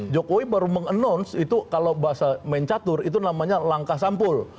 jokowi baru meng announce itu kalau bahasa mencatur itu namanya langkah sampul